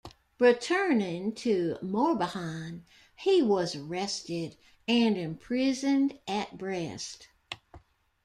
Returning to Morbihan, he was arrested, and imprisoned at Brest.